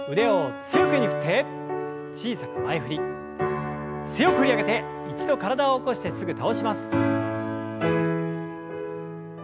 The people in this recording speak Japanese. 強く振り上げて一度体を起こしてすぐ倒します。